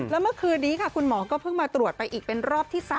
แล้วเมื่อคืนนี้ค่ะคุณหมอก็เพิ่งมาตรวจไปอีกเป็นรอบที่๓